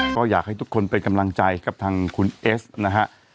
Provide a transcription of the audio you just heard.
ก็อยากให้ทุกคนเป็นกำลังใจกับทางคุณเอสนะฮะ